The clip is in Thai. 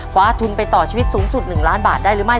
คว้าทุนไปต่อชีวิตสูงสุด๑ล้านบาทได้หรือไม่